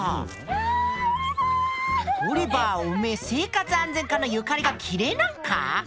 オリバーおめえ生活安全課のゆかりが嫌えなんか？